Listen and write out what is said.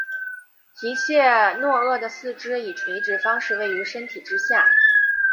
提契诺鳄的四肢以垂直方式位于身体之下。